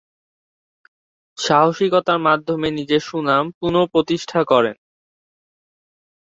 সাহসিকতার মাধ্যমে নিজের সুনাম পুনঃপ্রতিষ্ঠা করেন।